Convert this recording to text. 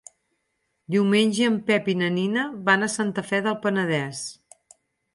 Diumenge en Pep i na Nina van a Santa Fe del Penedès.